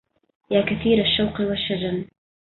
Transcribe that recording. يا كثير الشوق والشجن